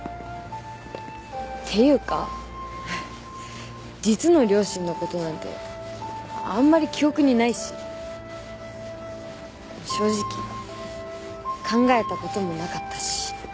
っていうか実の両親の事なんてあんまり記憶にないし正直考えた事もなかったし。